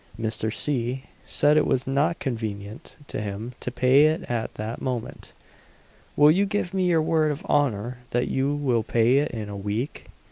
Mr. C. said it was not convenient to him to pay it at that moment. "Will you give me your word of honour that you will pay it in a week?"